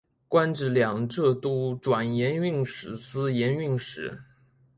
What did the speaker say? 官至两浙都转盐运使司盐运使。